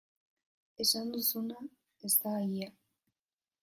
Esan duzuna ez da egia?